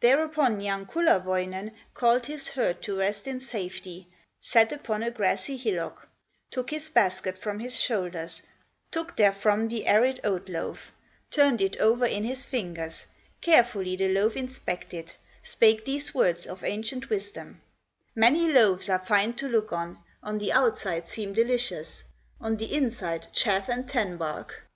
Thereupon young Kullerwoinen Called his herd to rest in safety, Sat upon a grassy hillock, Took his basket from his shoulders, Took therefrom the arid oat loaf, Turned it over in his fingers, Carefully the loaf inspected, Spake these words of ancient wisdom: "Many loaves are fine to look on, On the outside seem delicious, On the inside, chaff and tan bark!"